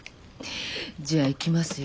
じゃあいきますよ。